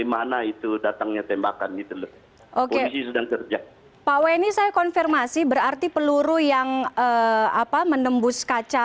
kedua anggota dpr tersebut juga tidak mengalami luka